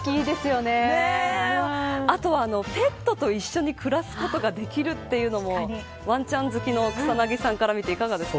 あとはペットと一緒に暮らすことができるというのもワンちゃん好きの草なぎさんから見て、いかがですか。